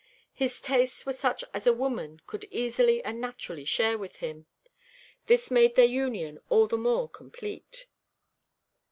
His tastes were such as a woman could easily and naturally share with him. This made their union all the more complete.